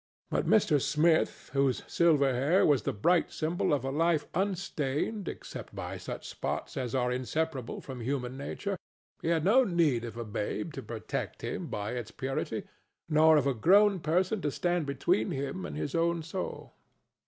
But Mr. Smith, whose silver hair was the bright symbol of a life unstained except by such spots as are inseparable from human nature—he had no need of a babe to protect him by its purity, nor of a grown person to stand between him and his own soul.